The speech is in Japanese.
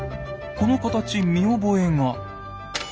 この形見覚えが。